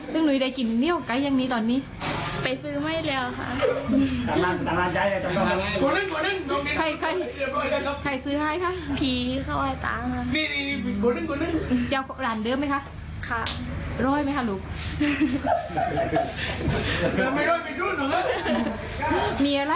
ตรงนี้หนูได้กินเหนียวกับไก่อย่างนี้ตอนนี้ไปซื้อไม่แล้วค่ะ